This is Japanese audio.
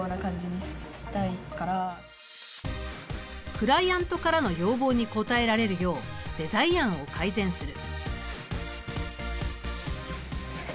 クライアントからの要望に応えられるようデザイン案を改善する。